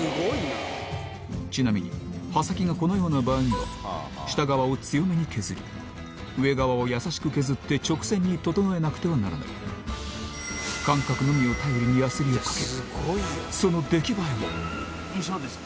ちなみに刃先がこのような場合には下側を強めに削り上側をやさしく削って直線に整えなくてはならない感覚のみを頼りにヤスリをかけるその出来栄えは？